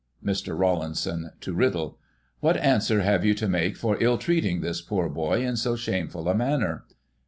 Mr. Rawlinson (to Riddle) : What answer have you to make for ill treating this poor boy in so shameful a manner